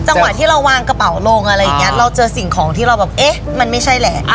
จังหวะที่เราวางกระเป๋าลงอะไรอย่างเงี้ยเราเจอสิ่งของที่เราแบบเอ๊ะมันไม่ใช่แหละ